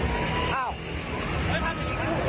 ไม่เป็นไร